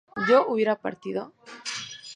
¿yo hubiera partido?